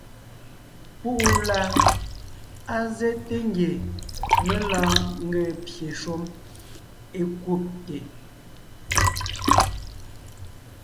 Púʼu la, á zɛ́te ngie mé lɔɔn ńgee pye shúm é kúbte.